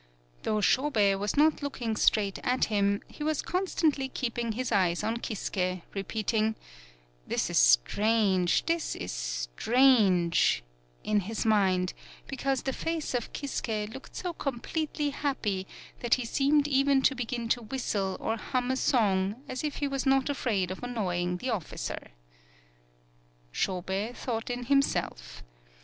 Though Shobei was not looking straight at him, he was constantly keep ing his eyes on Kisuke, repeating: "This is strange, this is strange," in his mind, because the face of Kisuke looked so completely happy that he seemed even to begin to whistle or hum a song, as if he was not afraid of annoying the officer. 9 PAULOWNIA Shobei thought in himself.